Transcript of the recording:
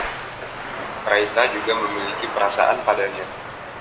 Raita juga memiliki perasaan padanya.